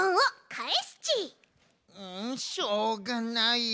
んしょうがない。